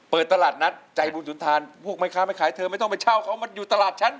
เปิดตลาดนัดใจบุญสุนทานพวกแม่ค้าไม่ขายเธอไม่ต้องไปเช่าเขามันอยู่ตลาดฉัน